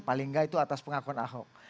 paling nggak itu atas pengakuan ahok